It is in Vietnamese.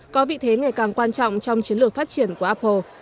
có vị thế ngày càng quan trọng trong chiến lược phát triển của apple